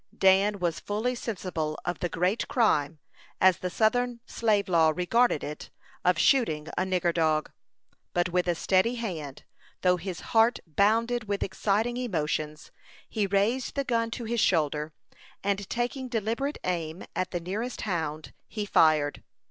Dan was fully sensible of the great crime, as the southern slave law regarded it, of shooting a "nigger dog;" but with a steady hand, though his heart bounded with exciting emotions, he raised the gun to his shoulder, and taking deliberate aim at the nearest hound, he fired.